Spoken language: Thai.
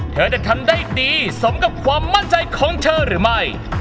เธอจะทำได้ดีสมกับความมั่นใจของเธอหรือไม่